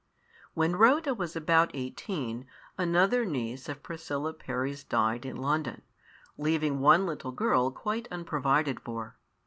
When Rhoda was about eighteen, another niece of Priscilla Parry's died in London, leaving one little girl quite unprovided for.